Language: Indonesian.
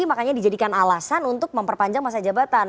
makanya dijadikan alasan untuk memperpanjang masa jabatan